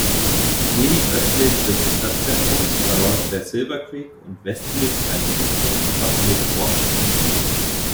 Wenig östlich des Stadtzentrums verläuft der Silver Creek und westlich sein Zufluss "Cottonwood Wash".